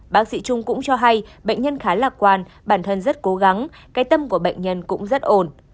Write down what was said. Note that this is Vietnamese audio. bác sĩ trung cũng cho hay bệnh nhân khá lạc quan bản thân rất cố gắng cái tâm của bệnh nhân cũng rất ổn